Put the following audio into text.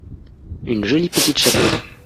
une jolie petite chapelle.